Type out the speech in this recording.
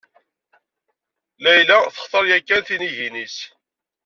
Layla textar yakan tinigin-is.